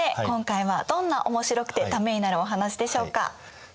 今回はどんなおもしろくてためになるお話でしょうか？